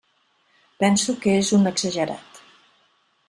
Penso que és un exagerat.